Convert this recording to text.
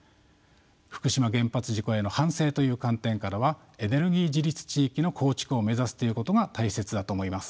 福島原発事故への反省という観点からはエネルギー自立地域の構築を目指すということが大切だと思います。